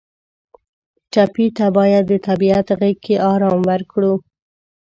ټپي ته باید د طبیعت غېږ کې آرام ورکړو.